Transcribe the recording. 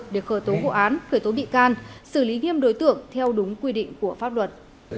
để khởi tố vụ án khởi tố bị can xử lý nghiêm đối tượng theo đúng quy định của pháp luật